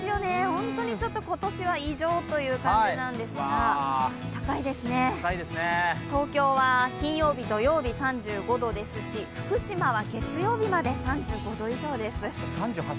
本当に今年は異常という感じなんですが、高いですね、東京は金曜日、土曜日、３５度ですし、福島は月曜日まで３５度以上です。